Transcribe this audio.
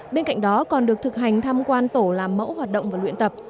bên cạnh đó còn được thực hành tham quan tổ làm mẫu hoạt động và luyện tập